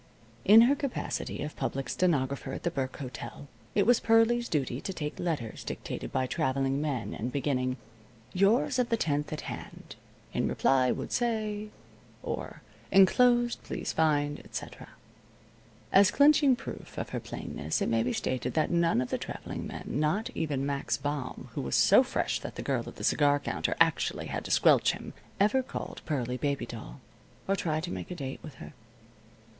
In her capacity of public stenographer at the Burke Hotel, it was Pearlie's duty to take letters dictated by traveling men and beginning: "Yours of the 10th at hand. In reply would say. ..." or: "Enclosed please find, etc." As clinching proof of her plainness it may be stated that none of the traveling men, not even Max Baum, who was so fresh that the girl at the cigar counter actually had to squelch him, ever called Pearlie "baby doll," or tried to make a date with her.